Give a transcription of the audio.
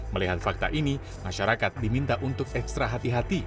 melihat fakta ini masyarakat diminta untuk ekstra hati hati